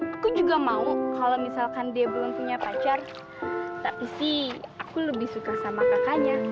aku juga mau kalau misalkan dia belum punya pacar tapi sih aku lebih suka sama kakaknya